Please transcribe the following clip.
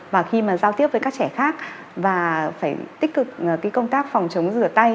và khi mà giao tiếp với các trẻ khác và phải tích cực công tác phòng chống rửa tay